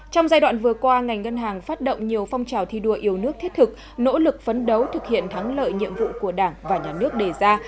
trong giai đoạn vừa qua ngành ngân hàng phát động nhiều phong trào thi đua yêu nước thiết thực nỗ lực phấn đấu thực hiện thắng lợi nhiệm vụ của đảng và nhà nước đề ra